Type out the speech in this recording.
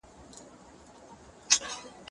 زه له سهاره سندري اورم!.